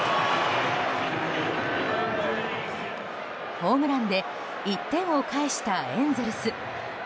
ホームランで１点を返したエンゼルス。